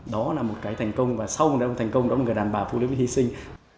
đó là một cái thành công và sau một cái thành công đó là người đàn bà vô lực hi sinh